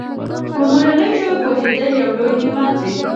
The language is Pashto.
په مورنۍ ژبه پوهېدل یو لوی نعمت دی.